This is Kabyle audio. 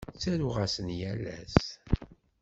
Ttaruɣ-asen yal ass.